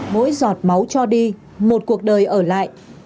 mỗi giọt máu cho đi một cuộc đời ở lại